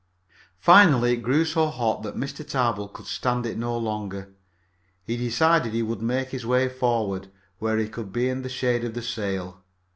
Finally it grew so hot that Mr. Tarbill could stand it no longer. He decided he would make his way forward, where he could be in the shade of the sail.